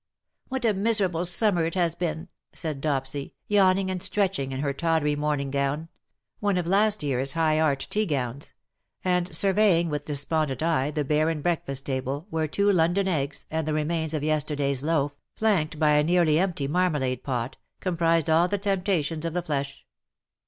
" What a miserable summer it has been/^ said Dopsy, yawning and stretching in her tawdry morn ing gown — one of last yearns high art tea gowns — and surveying with despondent eye the barren breakfast table^ where two London eggs^ and the remains of yesterday's loaf^ flanked by a nearly empty marmalade pot_, comprised all the temptations of the flesh.